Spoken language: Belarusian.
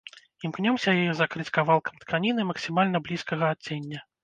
Імкнёмся яе закрыць кавалкам тканіны максімальна блізкага адцення.